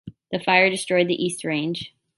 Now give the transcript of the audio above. The fire destroyed the East Range.